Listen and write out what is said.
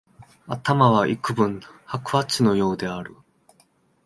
頭はいくぶん白髪のようである